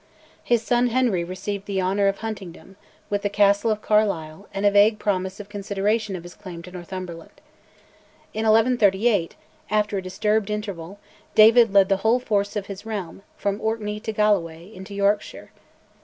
His son Henry received the Honour of Huntingdom, with the Castle of Carlisle, and a vague promise of consideration of his claim to Northumberland. In 1138, after a disturbed interval, David led the whole force of his realm, from Orkney to Galloway, into Yorkshire.